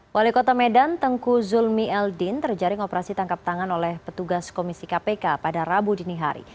wali kota medan tengku zulmi eldin terjaring operasi tangkap tangan oleh petugas komisi kpk pada rabu dini hari